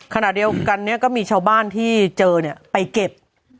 ขณะเดียวกันเนี่ยก็มีชาวบ้านที่เจอเนี่ยไปเก็บ